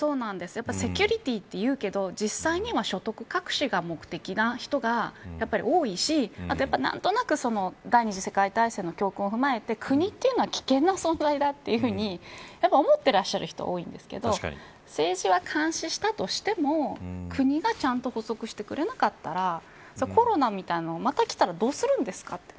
セキュリティーというけど実際には所得隠しが目的な人がやっぱり多いしあと何となく第二次世界大戦を踏まえて国というのは危険な存在だというふうに思っていらっしゃる人が多いんですけど政治は監視したとしても国が、ちゃんと補足してくれなかったらコロナみたいなのがまたきたらどうするんですか。